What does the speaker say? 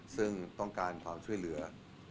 ซึ่งต้องการความช่วยเหลือ